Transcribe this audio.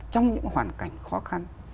trong những hoàn cảnh khó khăn